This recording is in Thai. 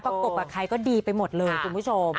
ประกบกับใครก็ดีไปหมดเลยคุณผู้ชม